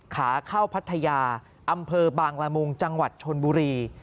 ขาเข้าพัทยาอำเภอบางละมุงจังหวัดชนบุรี